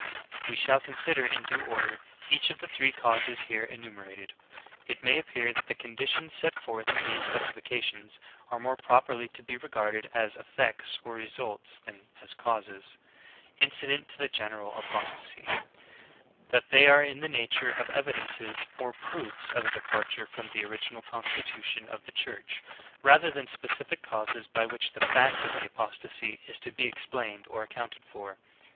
15. We shall consider in due order each of the three causes here enumerated. It may appear that the conditions set forth in these specifications are more properly to be re garded as effects or results, than as causes, incident to the general apostasy, — that they are in the nature of evidences or proofs of a departure from the original constitution of the Church, rather than specific causes by which the fact of apostasy is to be explained or accounted for.